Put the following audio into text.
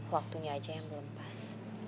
waktunya aja yang belum pas